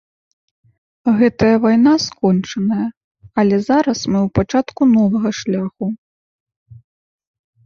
Гэтая вайна скончаная, але зараз мы ў пачатку новага шляху.